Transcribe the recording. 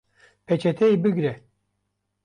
Peçeteyê bigre